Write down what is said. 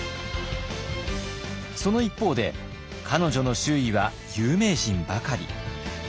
その一方で彼女の周囲は有名人ばかり。